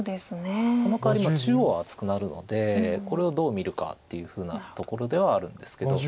そのかわり中央は厚くなるのでこれをどう見るかっていうふうなところではあるんですけど。